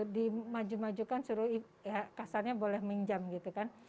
dimajukan suruh kasarnya boleh minjam gitu kan